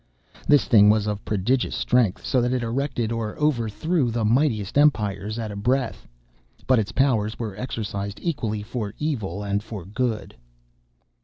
This thing was of prodigious strength, so that it erected or overthrew the mightiest empires at a breath; but its powers were exercised equally for evil and for good.